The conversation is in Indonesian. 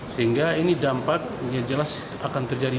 sehingga ini dampak yang jelas akan terjadi